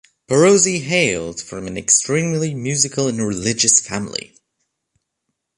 Perosi hailed from an extremely musical and religious family.